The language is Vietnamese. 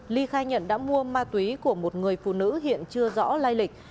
ly khai nhận đã mua ma túy của một người phụ nữ hiện chưa rõ lai lịch